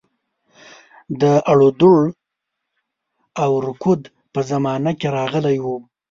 د اړودوړ او رکود په زمانه کې راغلی وو.